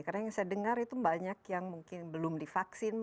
karena yang saya dengar itu banyak yang mungkin belum divaksin